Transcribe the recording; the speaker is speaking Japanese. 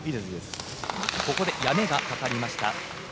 ここでやめがかかりました。